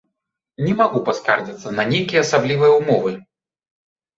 Не магу паскардзіцца на нейкія асаблівыя ўмовы.